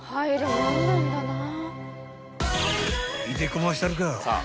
［いてこましたるか］